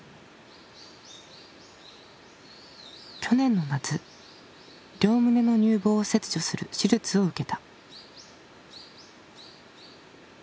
去年の夏両胸の乳房を切除する手術を受けた。